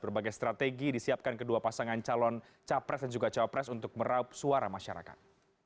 berbagai strategi disiapkan kedua pasangan calon capres dan juga cawapres untuk meraup suara masyarakat